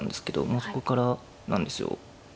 そこから何でしょう。